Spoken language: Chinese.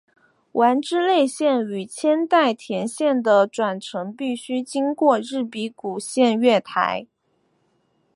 丸之内线与千代田线的转乘必须经过日比谷线月台。